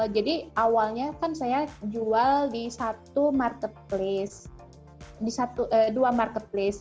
jadi awalnya kan saya jual di satu marketplace di dua marketplace